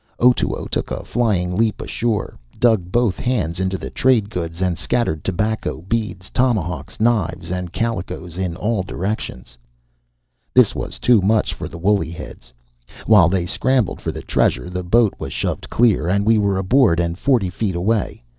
Otoo took a flying leap ashore, dug both hands into the trade goods, and scattered tobacco, beads, tomahawks, knives, and calicoes in all directions. This was too much for the woolly heads. While they scrambled for the treasures, the boat was shoved clear, and we were aboard and forty feet away.